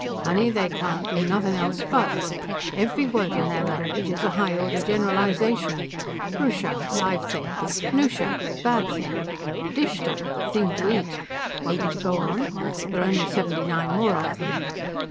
"Honey, they can't do nothin' else but! Every word in their language is a high order generalization. Hroosha, live thing. Noosha, bad thing. Dhishta, thing to eat. Want me to go on? There are only seventy nine more of them."